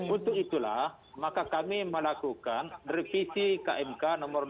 untuk itulah maka kami melakukan revisi kmk nomor dua ratus tujuh puluh delapan